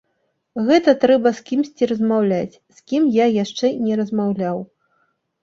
Гэта трэба з кімсьці размаўляць, з кім я яшчэ не размаўляў.